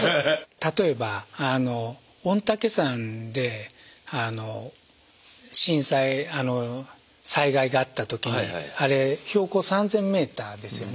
例えば御嶽山で災害があった時にあれ標高３，０００メーターですよね。